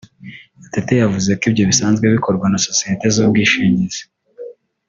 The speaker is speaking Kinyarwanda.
Gatete yavuze ko ibyo bisanzwe bikorwa na sosiyete z’ubwishingizi